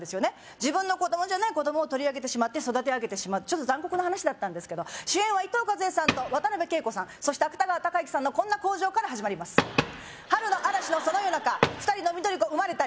自分の子供じゃない子供を取り上げてしまって育て上げてしまうちょっと残酷な話だったんですけど主演は伊藤かずえさんと渡辺桂子さんそして芥川隆行さんのこんな口上から始まります「春の暴風雨のその夜中２人の嬰児生まれたり」